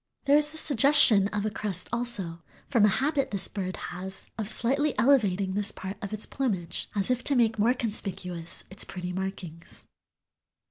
There is the suggestion of a crest also, from a habit this bird has of slightly elevating this part of its plumage, as if to make more conspicuous its pretty markings."